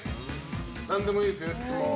なんでもいいですよ、質問。